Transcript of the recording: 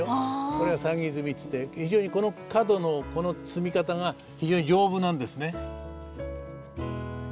これが算木積みっていって非常にこの角のこの積み方が非常に丈夫なんですね。